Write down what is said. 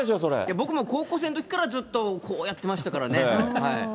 僕も高校生のときから、ずっと、こうやってましたからね。